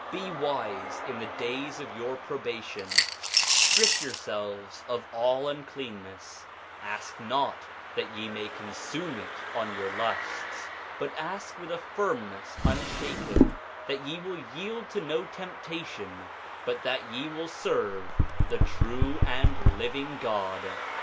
9:28 Be wise in the days of your probation; strip yourselves of all uncleanness; ask not, that ye may consume it on your lusts, but ask with a firmness unshaken, that ye will yield to no temptation, but that ye will serve the true and living God.